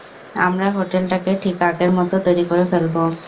আমরা হোটেলটাকে ঠিক আগের মতো তৈরি করে ফেলবো।